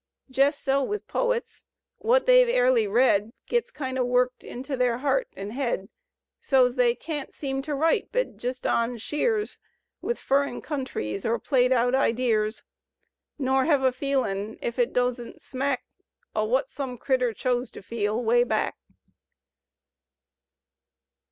Jes' so with poets: wut they've airly read Gits kind o' worked into their hearf; an' head, So's they can't seem to write but jest on sheers With f urrin countries or played out ideers. Nor hev a feelin', ef it doosn't smack O' wut some critter chose to feel 'way back.